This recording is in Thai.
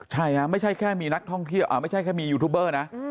ใช่ไม่ใช่แค่มีนักท่องเที่ยวไม่ใช่แค่มียูทูบเบอร์นะ